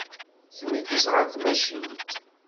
Tneggez ɣer tmacint.